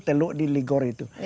teluk di ligor itu